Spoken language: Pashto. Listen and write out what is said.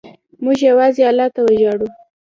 موږ یوازې الله ته وژاړو.